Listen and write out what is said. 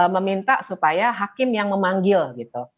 meminta supaya hakim yang memanggil gitu